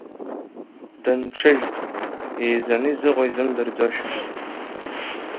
Дынҽыжәҵт, еизаны изыҟоу изымдырӡошәа…